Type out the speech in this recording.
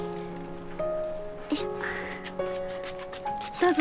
どうぞ。